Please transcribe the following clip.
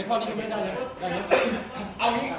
ในข้อนี้ไม่ได้เลย